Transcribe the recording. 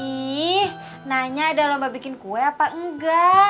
nih nanya ada lomba bikin kue apa enggak